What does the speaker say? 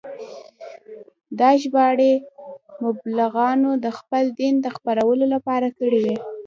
دا ژباړې مبلغانو د خپل دین د خپرولو لپاره کړې وې.